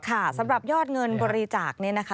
ค่ะสำหรับยอดเงินบริจาคนี้นะคะ